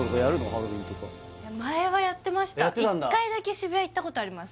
ハロウィンとか前はやってました一回だけ渋谷行ったことあります